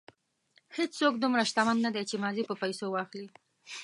هېڅوک دومره شتمن نه دی چې ماضي په پیسو واخلي.